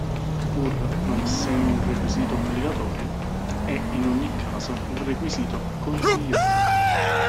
Pur non essendo un requisito obbligatorio, è in ogni caso un requisito consigliato.